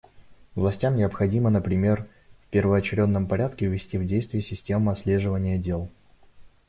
Властям необходимо, например, в первоочередном порядке ввести в действие систему отслеживания дел.